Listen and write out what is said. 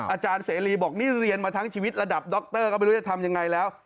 อาจารย์เสรีบอกนี่เรียนมาทั้งชีวิตระดับดรก็ไม่รู้จะทำยังไงแล้ว